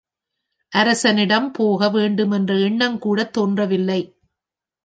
அரசனிடம் போக வேண்டுமென்ற எண்ணங்கூடத் தோன்றவில்லை.